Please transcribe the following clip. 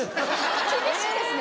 厳しいですね。